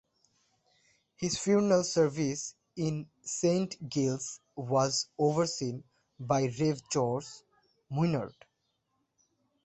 His funeral service in St Giles was overseen by Rev George Muirhead.